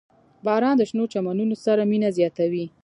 • باران د شنو چمنونو سره مینه زیاتوي.